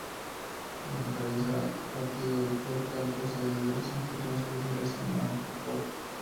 La cabeza de partido y por tanto sede de las instituciones judiciales es Manacor.